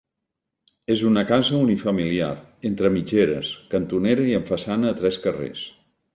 És una casa unifamiliar, entre mitgeres, cantonera i amb façana a tres carrers.